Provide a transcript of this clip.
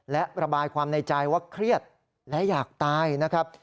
และระบายความในใจว่าเครียดและอยากตายนะครับ